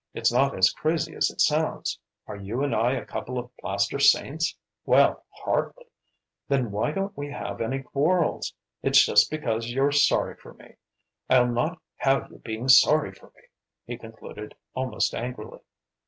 "It's not as crazy as it sounds. Are you and I a couple of plaster saints? Well, hardly! Then why don't we have any quarrels? It's just because you're sorry for me! I'll not have you being sorry for me!" he concluded, almost angrily.